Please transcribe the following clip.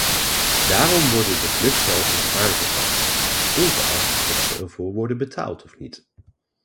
Daarom worden de vluchthelpers aangepakt, ongeacht of ze ervoor worden betaald of niet.